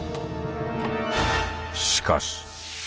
しかし。